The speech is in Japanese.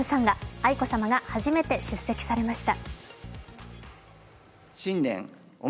愛子さまが初めて出席されました。